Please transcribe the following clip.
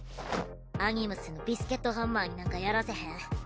アニムスのビスケットハンマーになんかやらせへん。